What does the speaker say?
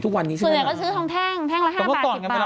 ทางไกลทันเรือหูเรือหูเรือหู